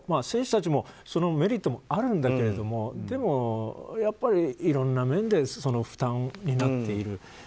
選手たちもそのメリットもあるんだけれどもでも、やっぱりいろんな面で負担になっている。